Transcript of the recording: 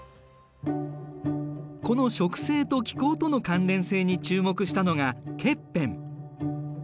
この植生と気候との関連性に注目したのがケッペン。